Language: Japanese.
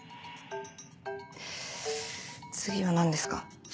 次は何ですか？